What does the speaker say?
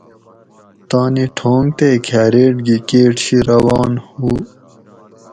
تانی ٹھونگ تے کھاریٹ گی کیٹ شی روان ہُو